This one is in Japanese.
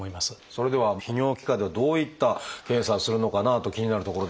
それでは泌尿器科ではどういった検査をするのかなと気になるところですが。